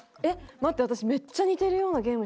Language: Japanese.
待って私。